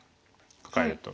カカえると。